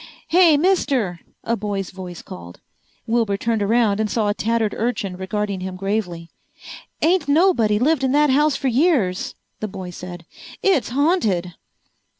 "Hey, mister," a boy's voice called. Wilbur turned around and saw a tattered urchin regarding him gravely. "Ain't nobody lived in that house for years," the boy said. "It's haunted."